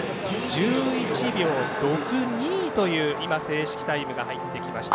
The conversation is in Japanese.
１１秒６２という正式タイムが入ってきました。